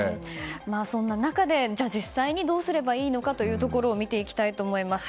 そんな中で実際にどうすればいいのかというところを見ていきたいと思います。